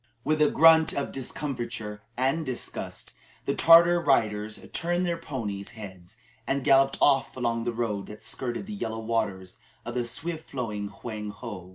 With a grunt of discomfiture and disgust, the Tartar riders turned their ponies' heads and galloped off along the road that skirted the yellow waters of the swift flowing Hwang ho.